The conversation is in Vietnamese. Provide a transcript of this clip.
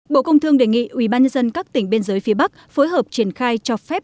bộ công thương đề nghị ủy ban nhân dân các tỉnh biên giới phía bắc phối hợp triển khai cho phép